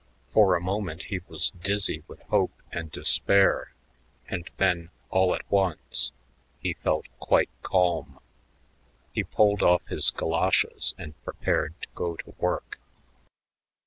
For a moment he was dizzy with hope and despair, and then, all at once, he felt quite calm. He pulled off his goloshes and prepared to go to work.